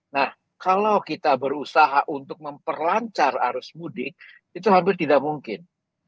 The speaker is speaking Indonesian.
nah kalau kita berusaha untuk memperlancar arus mudik itu hampir tidak mungkin